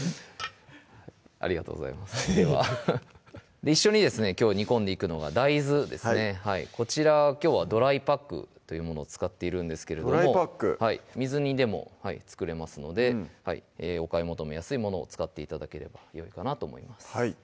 ありがとうございます一緒にですねきょう煮込んでいくのは大豆ですねこちらきょうはドライパックというものを使っているんですけれどもドライパック水煮でも作れますのでお買い求めやすいものを使って頂ければよいかと思います